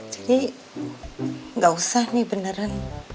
jadi gak usah nih beneran